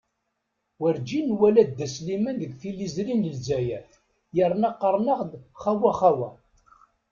Werǧin nwala dda Sliman deg tiliẓri n Lezzayer, yerna qqaren-aɣ-d "xawa-xawa"!